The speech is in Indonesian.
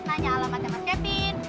nanya alamatnya mas kevin